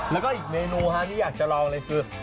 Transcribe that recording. แล้วก็อีกเมนูที่อยากจะลองเลยคือ